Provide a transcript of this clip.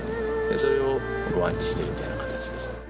それをご安置しているというような形ですね。